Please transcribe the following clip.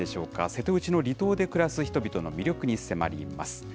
瀬戸内の離島で暮らす人々の魅力に迫ります。